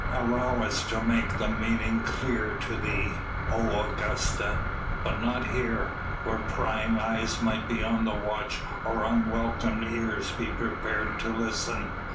"Allow us to make the meaning clear to thee, O Augusta. But not here, where prying eyes might be on the watch or unwelcome ears be prepared to listen.